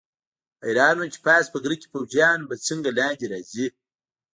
حیران وم چې پاس په غره کې پوځیان به څنګه لاندې راځي.